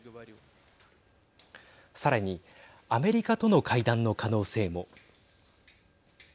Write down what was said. さらにアメリカとの会談の可能性も。